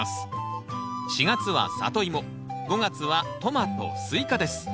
４月は「サトイモ」５月は「トマト」「スイカ」です。